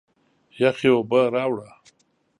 یخي اوبه راړه!